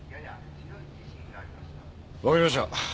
わかりました。